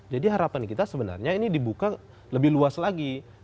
jadi harapan kita sebenarnya ini dibuka lebih luas lagi